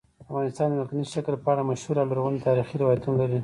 افغانستان د ځمکني شکل په اړه مشهور او لرغوني تاریخی روایتونه لري.